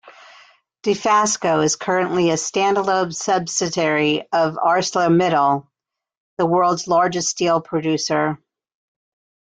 Dofasco is currently a standalone subsidiary of ArcelorMittal, the world's largest steel producer.